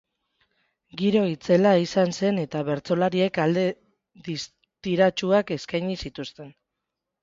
Giro itzela izan zen eta bertsolariek ale distiratsuak eskaini zituzten.